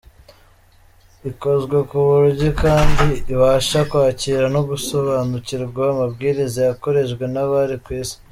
Ikozwe ku buryo kandi ibasha kwakira no gusobanukirwa amabwiriza yoherejwe n’abari ku Isi.